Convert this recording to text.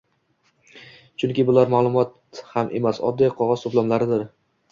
Chunki bular maʼlumot ham emas, oddiy qogʻoz toʻplamlaridir.